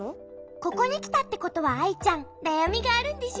ここにきたってことはアイちゃんなやみがあるんでしょ？